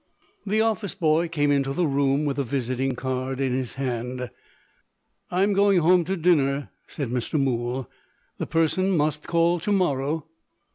The office boy came into the room, with a visiting card in his hand. "I'm going home to dinner," said Mr. Mool. "The person must call to morrow."